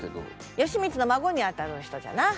義満の孫にあたる人じゃな。